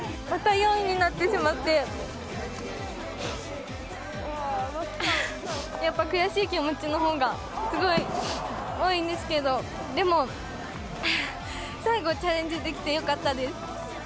また４位になってしまって、やっぱ悔しい気持ちのほうがすごい多いんですけど、でも、最後、チャレンジできてよかったです。